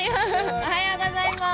おはようございます！